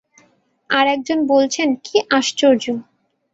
আর একজন বলছেন, কী আশ্চর্য!